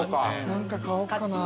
何か買おうかな。